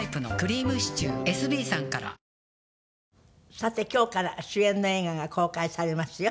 さて今日から主演の映画が公開されますよ。